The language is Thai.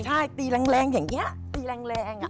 ใช่ตีแรงอย่างนี้ตีแรง